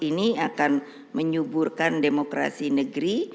ini akan menyuburkan demokrasi negeri